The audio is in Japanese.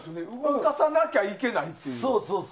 動かさなきゃいけないっていう。